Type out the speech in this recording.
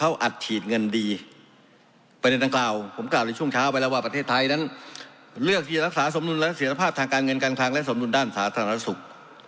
แล้วก็คราวผมกล่าวช่วงเช้าไปแล้วว่าประเทศไทยนั้นะเลือกที่รักษาสมนุนและเสียรภาพทางการเงินการคล้างและสมทุนด้านสถานธรรมสุข